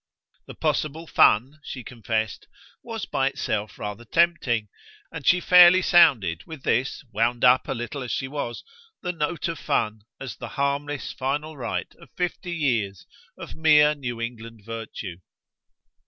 The possible "fun," she confessed, was by itself rather tempting; and she fairly sounded, with this wound up a little as she was the note of fun as the harmless final right of fifty years of mere New England virtue.